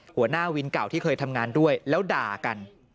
หัวหน้าวินเก่าที่เคยทำงานด้วยแล้วด่ากัน